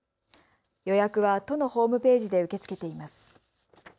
予約は都のホームページで受け付けています。